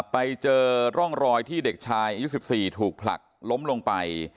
ไปเจอร่องรอยที่เด็กชายอายุ๑๔ถูกผลักล้มลงไป